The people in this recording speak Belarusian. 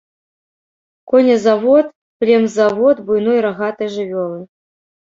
Конезавод, племзавод буйной рагатай жывёлы.